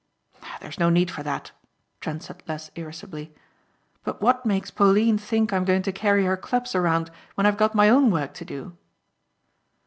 "There's no need for that," Trent said less irascibly, "but what makes Pauline think I'm going to carry her clubs around when I've got my own work to do?"